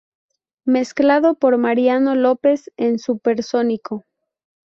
Mezclado por Mariano Lopez en Supersónico.